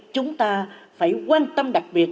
chúng ta phải quan tâm đặc biệt